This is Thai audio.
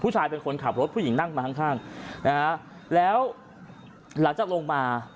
ผู้หญิงขับรถผู้หญิงนั่งมาข้างแล้วหลังจากลงมา